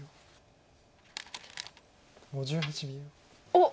おっ！